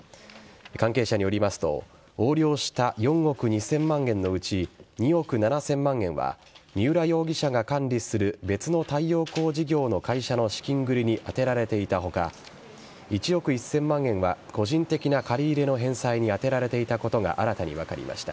関係者によりますと横領した４億２０００万円のうち２億７０００万円は三浦容疑者が管理する別の太陽光事業の会社の資金繰りに充てられていた他１億１０００万円は個人的な借り入れの返済に充てられていたことが新たに分かりました。